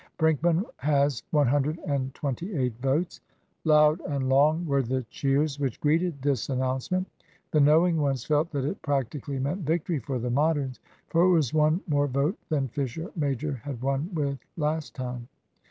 "Brinkman has one hundred and twenty eight votes." Loud and long were the cheers which greeted this announcement. The knowing ones felt that it practically meant victory for the Moderns, for it was one more vote than Fisher major had won with last time.